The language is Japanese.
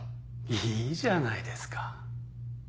いいじゃないですか。